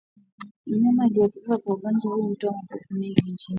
Mnyama aliyekufa kwa ugonjwa huu hutoa mapovu kwenye njia ya hewa